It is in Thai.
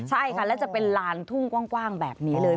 ใช่ค่ะและจะเป็นลานทุ่งกว้างแบบนี้เลย